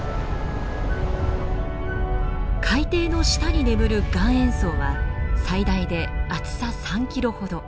海底の下に眠る岩塩層は最大で厚さ３ｋｍほど。